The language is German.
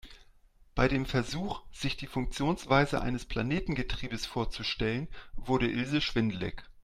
Bei dem Versuch, sich die Funktionsweise eines Planetengetriebes vorzustellen, wurde Ilse schwindelig.